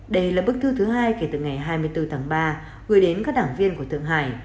đây là bức thư thứ hai kể từ ngày hai mươi bốn tháng ba gửi đến các đảng viên của thượng hải